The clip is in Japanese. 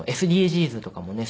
ＳＤＧｓとかもね